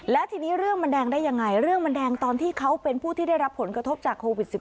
และทีนี้เรื่องมันแดงได้ยังไงเรื่องมันแดงตอนที่เขาเป็นผู้ที่ได้รับผลกระทบจากโควิด๑๙